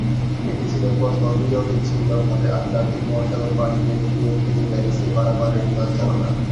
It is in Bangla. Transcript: এটি ছিল প্রথম নিরবিচ্ছিন্নভাবে আটলান্টিক মহাসাগর পাড়ি দিয়ে নিউইয়র্ক থেকে প্যারিসে পারাপারের বিমান চালনা।